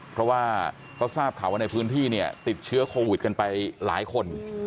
เพราะว่าเขาทราบข่าวว่าในพื้นที่เนี่ยติดเชื้อโควิดกันไปหลายคน